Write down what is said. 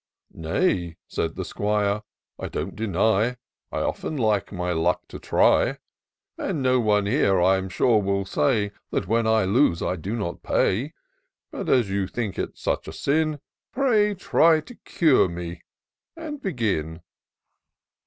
"Nay," said the 'Squire, "I don't deny I often like my luck to try : Ii88 TOUR OF DOCTOR SYNTAX And no one here, I'm sure, will say That when I lose I do not pay : But as you think it such a sin. Pray try to cure me — and begin."